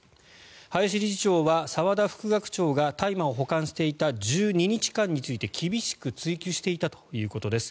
林理事長は澤田副学長が大麻を保管していた１２日間について厳しく追及していたということです。